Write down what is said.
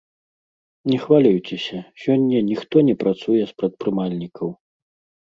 Не хвалюйцеся, сёння ніхто не працуе з прадпрымальнікаў.